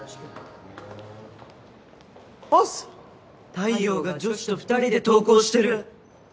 太陽が女子と２人で登校してる！